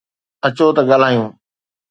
اچو ت ڳالھايون.